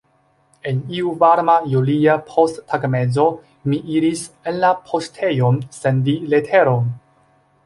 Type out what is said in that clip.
En iu varma julia posttagmezo mi iris en la poŝtejon sendi leteron.